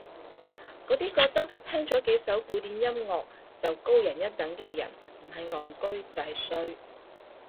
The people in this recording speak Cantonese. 嗰啲覺得聽咗幾首古典音樂就高人一等嘅人唔係戇居就係衰